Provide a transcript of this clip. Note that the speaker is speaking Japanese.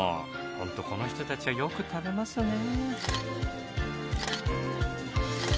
ホントこの人たちはよく食べますね。